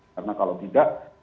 karena kalau tidak